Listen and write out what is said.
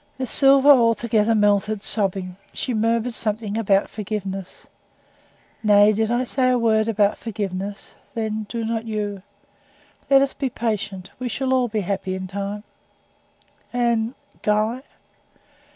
Miss Silver altogether melted; sobbing, she murmured something about forgiveness. "Nay, did I say a word about forgiveness? Then, do not you. Let us be patient we shall all be happy in time." "And Guy?"